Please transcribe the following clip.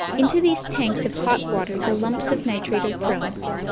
Into these tanks of hot water the lumps of nitrate are thrown.